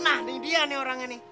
nah ini dia nih orangnya nih